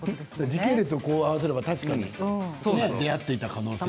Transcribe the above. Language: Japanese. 時系列を考えれば、確かに出会っていた可能性も。